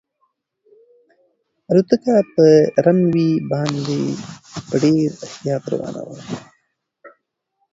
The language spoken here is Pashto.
الوتکه په رن وې باندې په ډېر احتیاط روانه وه.